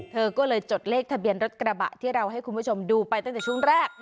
เธอก็เลยจดเลขทะเบียนรถกระบะที่เราให้คุณผู้ชมดูไปตั้งแต่ช่วงแรก